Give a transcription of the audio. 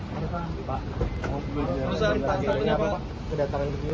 hai kakak berusaha ngetahui apa kedatangan ketiga